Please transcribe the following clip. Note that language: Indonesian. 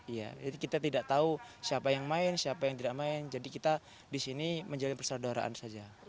iya jadi kita tidak tahu siapa yang main siapa yang tidak main jadi kita disini menjaga persaudaraan saja